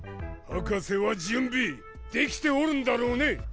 博士は準備できておるんだろうね。